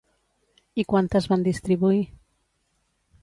I quantes van distribuir?